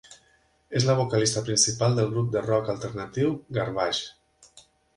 És la vocalista principal del grup de rock alternatiu Garbage.